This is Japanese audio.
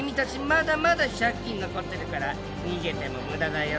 まだまだ借金残ってるから逃げても無駄だよ。